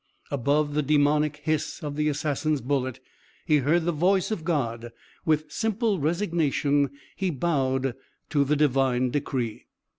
Above the demoniac hiss of the assassin's bullet he heard the voice of God. With simple resignation he bowed to the Divine decree.